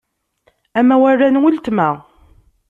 Amawal-a n weltma.